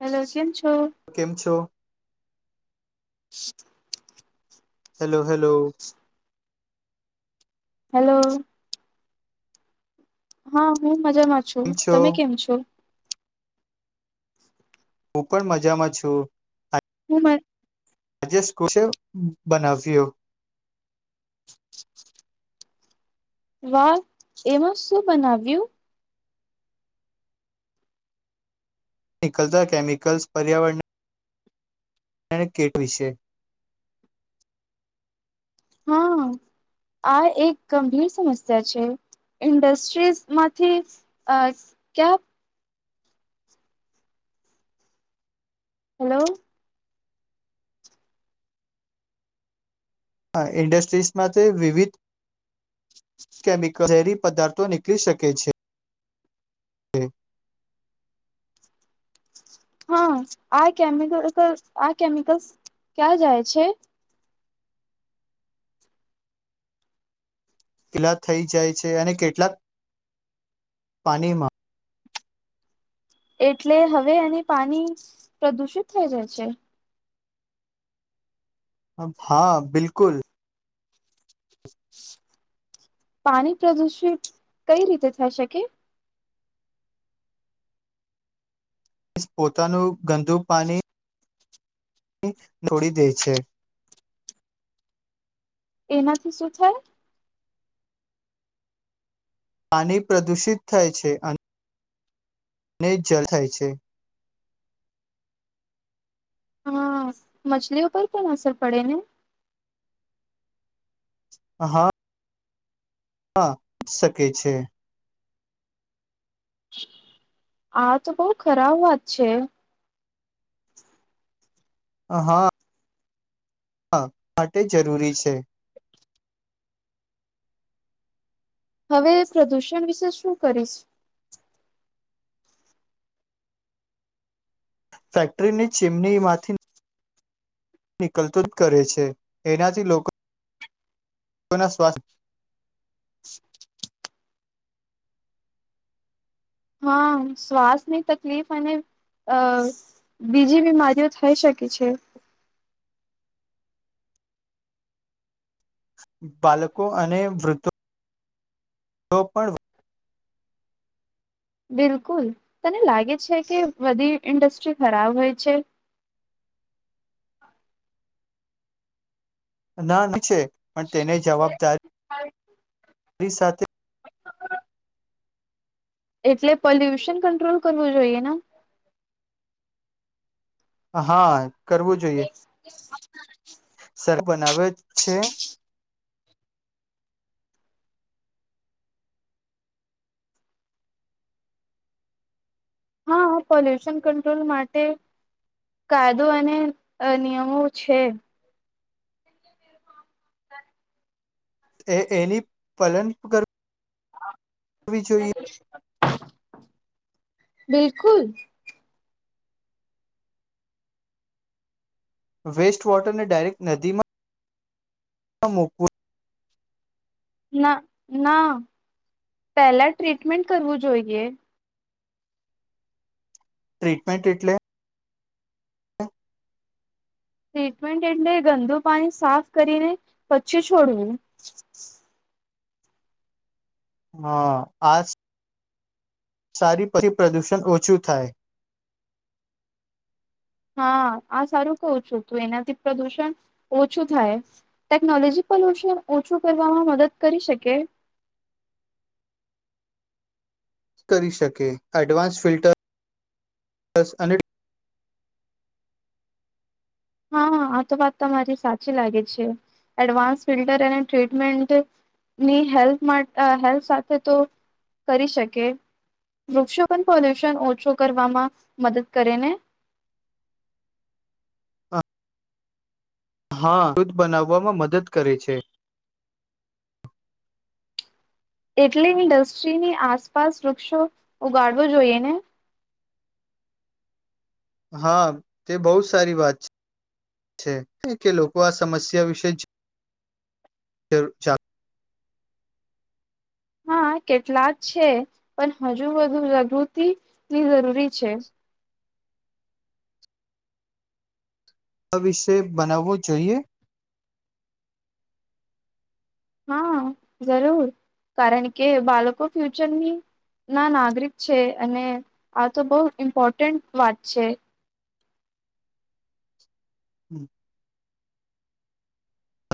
Hello same છ તો કેમ છો? [unintelligible] Hello hello. હલો. હા હ. મજામાં છું, કેમ છો તમે કેમ છો? હું, પણ મજામાં છું. બ [inaudible] આજે સ્કોસે બનાવ્યો. [inaudible] વાહ એમાં શું. બનાવ્યું. નીકળતા કેમિકલ્સ, પર્યાવરણ ને એને કેટ વિશે [inaudible] હા. આ એક ગંભીર સમસ્યા છે. ઇન્ડસ્ટ્રીઝ માંથી ક્યા. હેલો. ઇન્ડસ્ટ્રીઝ માં વિવિધ કેમિકલ ઝેરી પદાર્થો નીકળી શકે છે. હા, આ કેમિકલ્, આ કેમિકલ્સ, ક્યાં જાય છે. કિલ્લા થઈ જાય છે અને કેટલાક પાણીમાં [unintelligible] એટલે હવે એને પાણી પ્રદુષિત થઈ જાય છે. હા, બિલકુલ. પાણી પ્રદુષિત કઈ રીતે થઈ શકે. પોતાનું ગંદુ પાણી છોડી દે છે. એનાંથી શું થાય. પાણી પ્રદૂષિત થાય છે. અને ને જળ થાય છે. હા, મછલીઓ પર પણ અસર પડે ને હા, હા પણ શકે છે. [unintelligible] હા, તો બહુ ખરાબ વાત છે. હા, હા હા, માટે જરૂરી છે. હવે પ્રદૂષણ વિશે શું કરીશ. ફેક્ટરી ની. જેમને એ માંથી. નીકલતું જ કરે છે. એનાથી લોકોના સ્વાસ્થ્ય. હા, શ્વાસની તકલીફ અને અ બીજી બીમારીઓ થઈ શકે છે. બાળકો અને વૃદ્ધો. તો પણ, બિલકુલ તને લાગે છે. કે બધી ઇન્ડસ્ટ્રી ખરાબ હોય છે. ના, ની છેે. પણ તેને જવાબદારી ઓની સાથે. એટલે. પોલ્યુશન કંટ્રોલ કરવું જોઈએ. ને હા [unintelligible] કરવું જોઈએ. સર બનાવેલો છે. હા. પોલ્યુશન, કંટ્રોલ, માટે કાયદો અને નિયમો છે. એની પાલન કરવું [inaudible] બિલકુલ [unintelligible] વેસ્ટ વોટરને ડાયરેક્ટ નદીમાં મૂકવું ના ના પેલા ટ્રીટમેન્ટ કરવું જોઈએ. ટ્રીટમેન્ટ એટલે. ટ્રીટમેન્ટ એટલે ગંદુ પાણી સાફ કરીને પછી છોડવું હા આ સારી પછી પ્રદુષણ ઓછું થાય હા આ સારું કું છું તોું એનાથી પ્રદુષણ ઓછું થાય ટેકનોલોજી પ્રદુષણ ઓછું કરવામાં મદદ કરી શકે કરી શકે એડવાન્સ ફિલ્ટર અને હા આ તો વાત તમારી સાચી લાગે છે એડવાન્સ ફિલ્ટર અને ટ્રીટમેન્ટની હેલ્પ હેલ્પ સાથે તો કરી શકે વૃક્ષો પણ પોલ્યુશન ઓછું કરવામાં મદદ કરે ને હા દૂધ બનાવવામાં મદદ કરે છે એટલે ઇન્ડસ્ટ્રીની આસપાસ વૃક્ષો ઉગાડવા જોઈએ ને હા તે બહુ સારી વાત છે કે લોકો આ સમસ્યા વિશે ફ ચાલ હા કેટલાક છે પણ હજુ બધુ જાગૃતિની જરૂરી છે આ વિષય બનાવવો જોઈએ હા જરૂર કારણ કે બાળકો ફ્યુચરની ના નાગરિક છે અને આ તો બહુ ઇમ્પોર્ટન્ટ વાત છે હમ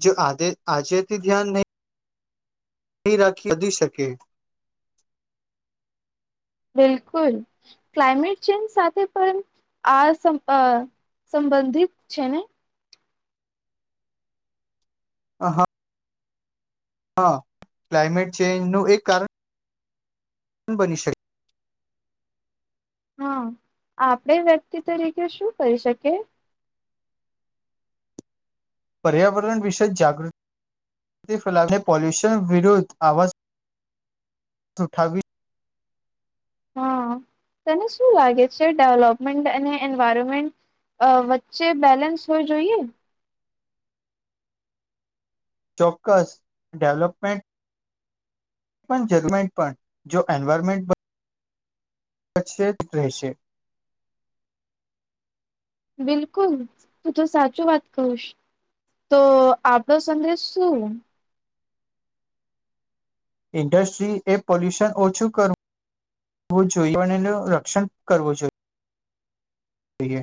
જો આે આજેથી ધ્યાન નહીં રાખી વધી શકે બિલકુલ ક્લાયમેટ ચેન્જ સાથે પણ આ સંબંધિત છે ને હ હા હા ક્લાયમેટ ચેન્જ ન એક કારણ બની શકે હા આપણેે વ્યક્તિ તરીકે શું કરી શકીએ પર્યાવરણ વિશે જાગૃતિ ફલાવીએ પોોલ્યુશન વિરુદ્ધ આવાજ ઉઠાવવી હા તને શું લાગે છે ડેવલોપમેન્ટ અને એન્વાયરમેન્ટ વચ્ચે બેલેન્સ હોય જોઈએ ચોક્કસ ડેવલપમેન્ટ પણ જર્મ પણ જો એન્વાયરમેન્ટ કચ્છ જ રહેશે બિલકુલ તું તો સાચું વાત કુંશ તો આપણો સંદેશ શું ઇન્ડસ્ટ્રી એ પોલ્યુશન ઓછું કરવું જોઈએ અને એનું રક્ષણ કરવું જોઈએ એ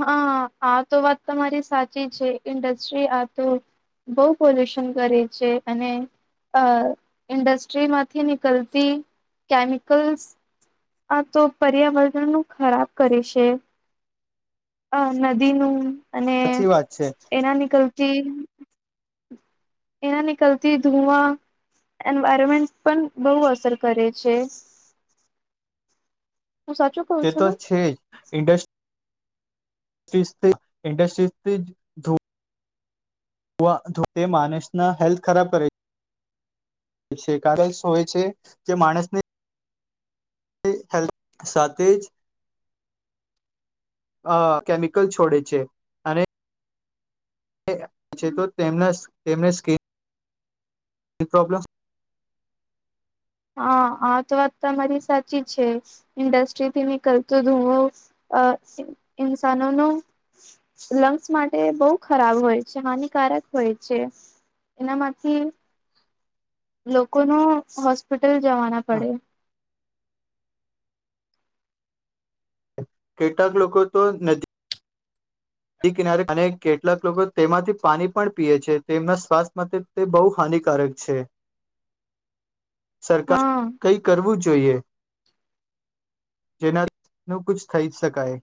હા આ તો વાત તમારી સાચી છે ઇન્ડસ્ટ્રી આ તો બહુ પોલ્યુશન કરે છે અને અ ઇન્ડસ્ટ્રીમાંથી નીકળતી કેમિકલ્સ આ તો પર્યાવરણ નું ખરાબ કરે છે આ નદીનું અને સાચી વાત છે એના નીકલતી એના નીકલતી ધુવા એન્વાયરમેન્ટ પણ બહુ અસર કરે છે હું સાચું કઉ તે છું તો ને છે જ ઇન્ડસ્ટ ઇન્ડસ્ટસ્ટ્રીથી જ ધૂ ધ ધ માણસના હેલ્થ ખરાબ કરે છે કારણ હોય છે જે માણસની હેલ્ સાથે જ અ કેમિકલ છોડે છે અને છે તોના તેમને સ્કીન એ પ્રોબ્લેમ હા આ તો વાત તમારી સાચી છે ઇન્ડસ્ટ્રીથી નીકળતો ધુવો ઇન્સાનો ન લંગ્સ માટે બહુ ખરાબ હોય છે હાનિકારક હોય છે એનામાંથી લોકો ન હોસ્પિટ ટલ જવાના પડે કેટલાક લોકો તો ન કિનારે અને કેટલાક લોકો તેમાંથી પાણી પણ પીએ છે તેમના સ્વાસ્થ્ય માટે તે બહુ હાનિકારક છે સરકાર હા કઈ કરવું જોઈએ જોઈએ જેનાનું ક થઈ શકાય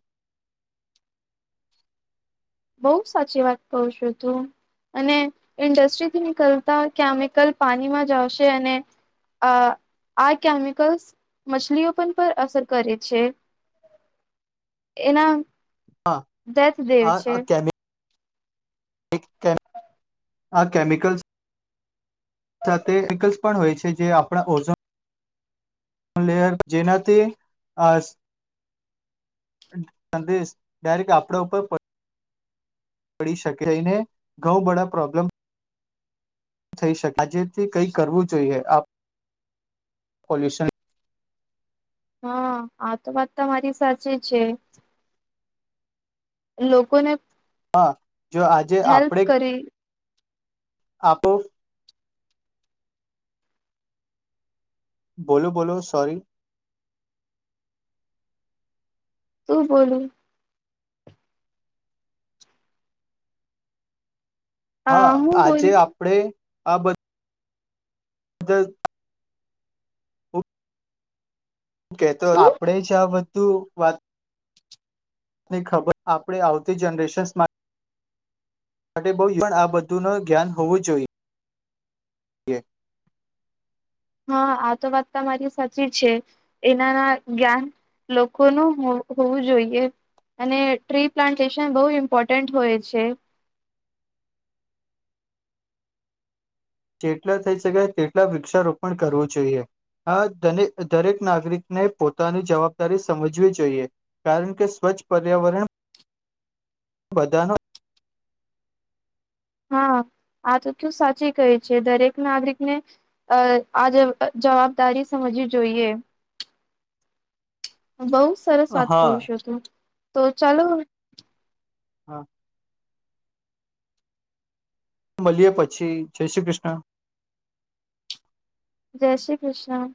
બહુ સાચી વાત કહે છું તું અને ઇન્ડસ્ટ્રીથી નીકળતા કેમિકલ પાણીમાં જશે અને આ આ કેમિકલ્સ મછલીઓ પર પર અસર કરે છે એના હા દતદેવ છે આ આ કેમિકલ્સ સાથે કેમિકલ્સ પણ હોય છે જે આપણા ઓઝોનર જેનાથી આ સંદેશ ડાયરેક્ટ આપડા ઉપર પડી શકે ઈ ને ઘઉં બળા પ્રોબ્લેમ થઈ શકે આજેથી કંઈ કરવું જોઈએ આપ પોલ્યુશન હા આ તો વાત તમા મારી સાચી છે લોકોને હા જો આજે હેલ્પ આપણેે કરી આપો બોલો બોલો સોરી શું બોલું હા આ હું બોલ આજે આપડે આ બધું [unintelligible] કે તો શું આપડે [unintelligible] તું વાત ની ખબર આપણે આવતી જનરેશન્સમાં માટે બહુ પણ આ બધું નુ જ્ઞાન હોવું જોઈએએ હા આ તો વાત તમા મારી સાચી છે એનાના જ્ઞાન લોકોનું હોવું જોઈએ અને ટ્રી પ્લાન્ટેશન બહુ ઇમ્પોર્ટન્ટ હોય છે જેટલા થઈ શકાય તેટલા વૃક્ષારોપણ કરવું જોઈએ આ દરેક નાગરિકને પોતાની જવાબદારી સમજવી જોઈએ કારણ કે સ્વચ્છ પર્યાવરણ બધાનો હા આ તો કયુ સાચી કહે છે દરેક નાગરિકને આ જ જવાબદારી સમજવી જોઈએ [inaudible] બહુ સરસ વાત હા કરું છું તું તો ચાલો હા મળીએ પછી જય શ્રી કૃષ્ણ જય શ્રી કૃષ્ણ